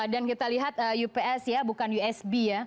dan kita lihat ups bukan usb